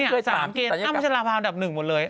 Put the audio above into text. เนี่ย๓เกณฑ์อ้ำพัชรภาวะดับ๑หมดเลย